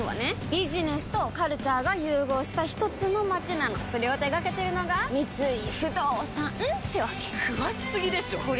ビジネスとカルチャーが融合したひとつの街なのそれを手掛けてるのが三井不動産ってわけ詳しすぎでしょこりゃ